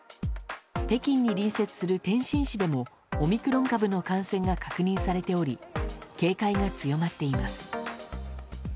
北京に隣接する天津市でもオミクロン株の感染が確認されており警戒が強まっています。